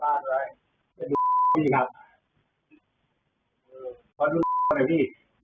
เข้าบ้านอะไร